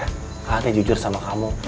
a'a kayak jujur sama kamu